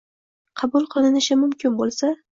qabul qilinishi mumkin bo‘lsa